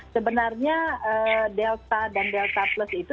sebenarnya delta dan delta plus itu